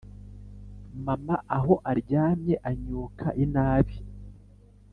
Mama aho aryamye anyuka inabi .